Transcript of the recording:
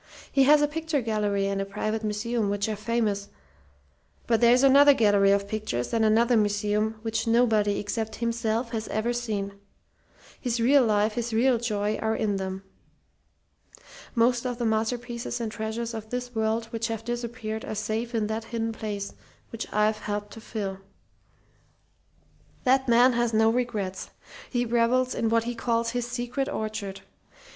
He has a picture gallery and a private museum which are famous; but there's another gallery of pictures and another museum which nobody except himself has ever seen. His real life, his real joy, are in them. Most of the masterpieces and treasures of this world which have disappeared are safe in that hidden place, which I've helped to fill. "That man has no regrets. He revels in what he calls his 'secret orchard.'